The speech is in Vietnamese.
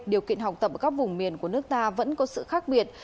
điều kiện học tập ở các vùng miền của nước ta vẫn có sự khác biệt